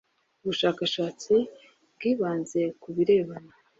ubushakashatsi bwibanze ku birebana